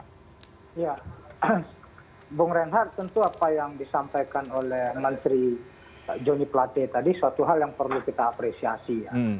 ya bung reinhardt tentu apa yang disampaikan oleh menteri joni plate tadi suatu hal yang perlu kita apresiasi ya